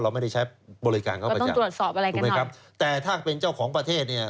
เราไม่ใช่บริการเขาไปจับแต่ถ้าเป็นเจ้าของประเทศเนี่ย